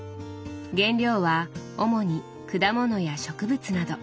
原料は主に果物や植物など。